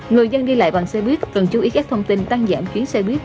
người dân đi lại bằng xe buýt cần chú ý các thông tin tăng giảm chuyến xe buýt